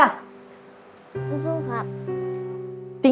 ซู่ซู่ครับ